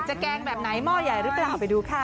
แกงแบบไหนหม้อใหญ่หรือเปล่าไปดูค่ะ